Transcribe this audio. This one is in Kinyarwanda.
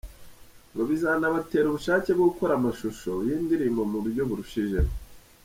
Ngo bizanabatera ubushake bwo gukora amashusho y’indirimbo mu buryo burushijeho.